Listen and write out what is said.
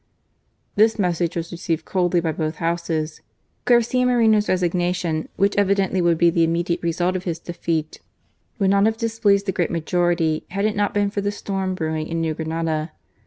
This message was received coldly by both Houses. Garcia Moreno's resignation, which evidently would be the immediate result of his defeat, would not 138 GARCIA MORENO. have displeased the great majority had it not been for the storm brewing in New Granada.